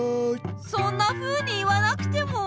そんなふうに言わなくても。